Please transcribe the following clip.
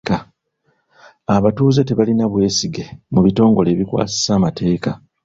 Abatuuze tebalina bwesige mu bitongole ebikwasisa amateeka.